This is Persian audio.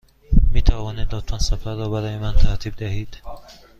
می توانید لطفاً سفر را برای من ترتیب دهید؟